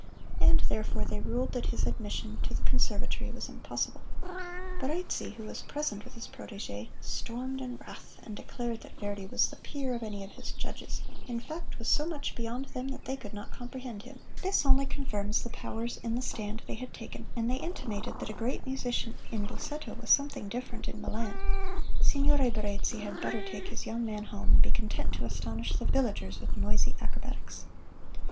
And therefore, they ruled that his admission to the Conservatory was impossible. Barezzi, who was present with his protege, stormed in wrath, and declared that Verdi was the peer of any of his judges; in fact, was so much beyond them that they could not comprehend him. This only confirmed the powers in the stand they had taken, and they intimated that a great musician in Busseto was something different in Milan Signore Barezzi had better take his young man home and be content to astonish the villagers with noisy acrobatics.